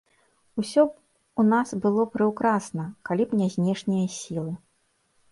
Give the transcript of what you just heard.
Усё б у нас было прыўкрасна, калі б не знешнія сілы.